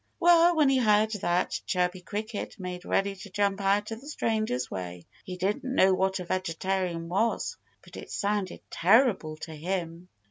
Well, when he heard that, Chirpy Cricket made ready to jump out of the stranger's way. He didn't know what a vegetarian was; but it sounded terrible to him.